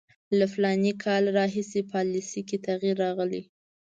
له فلاني کال راهیسې پالیسي کې تغییر راغلی.